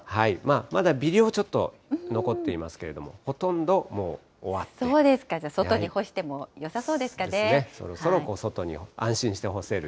まだ微量ちょっと、残っていますけれども、ほとんどもう終わじゃあ外に干してもよさそうそろそろ外に安心して干せる